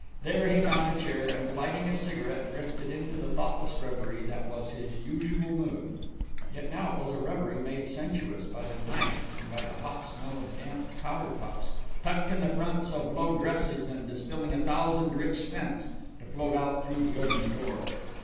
There he found a chair and, lighting a cigarette, drifted into the thoughtless reverie that was his usual mood. Yet now it was a reverie made sensuous by the night and by the hot smell of damp powder puffs, tucked in the fronts of low dresses and distilling a thousand rich scents, to float out through the open door.